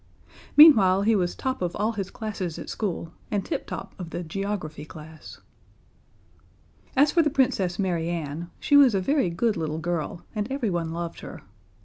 Meanwhile, he was top of all his classes at school, and tip top of the geography class. As for the Princess Mary Ann, she was a very good little girl, and everyone loved her.